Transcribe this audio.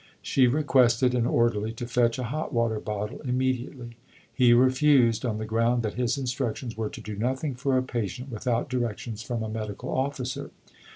She requested an orderly to fetch a hot water bottle immediately. He refused, on the ground that his instructions were to do nothing for a patient without directions from a medical officer.